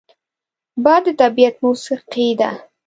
باد د طبیعت موسیقي ده